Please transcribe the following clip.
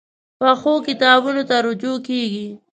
پخو کتابونو ته رجوع کېږي